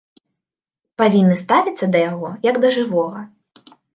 Павінны ставіцца да яго, як да жывога.